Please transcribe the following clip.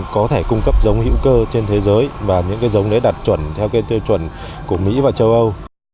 có thể cung cấp giống hữu cơ trên thế giới và những cái giống đấy đạt chuẩn theo tiêu chuẩn của mỹ và châu âu